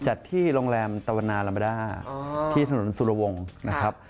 จัดที่โรงแรมตะวันนาลามาด้าที่ถนนสุรวงศ์นะครับ